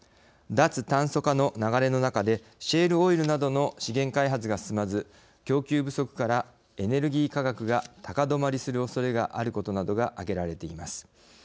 脱炭素化の流れの中でシェールオイルなどの資源開発が進まず供給不足からエネルギー価格が高止まりするおそれがあることなどが挙げられています。